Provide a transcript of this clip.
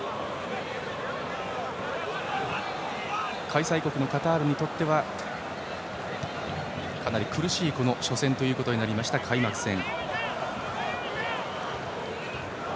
開催国のカタールにとってはかなり苦しい初戦となりました開幕戦。